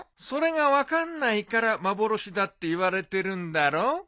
それが分かんないから幻だっていわれてるんだろ？